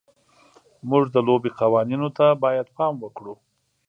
موږ د لوبې قوانینو ته باید پام وکړو.